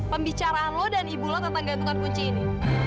pembicaraan lo dan ibu lo tentang gantungan kunci ini